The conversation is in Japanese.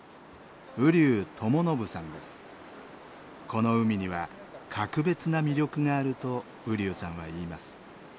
この海には格別な魅力があると瓜生さんはいいます。